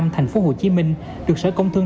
thành phố hồ chí minh được sở công thương